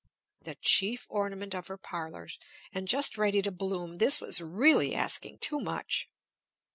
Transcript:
The chief ornament of her parlors! And just ready to bloom! This was really asking too much.